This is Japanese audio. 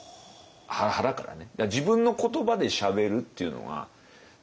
腹からね。